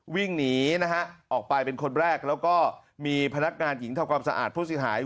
วิ่งหนีนะฮะออกไปเป็นคนแรกแล้วก็มีพนักงานหญิงทำความสะอาดผู้เสียหาย